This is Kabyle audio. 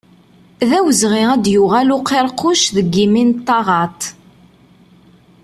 D awezɣi ad d-yuɣal uqiṛquc deg yimi n taɣaḍt.